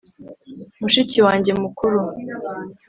mushiki wanjye mukuru.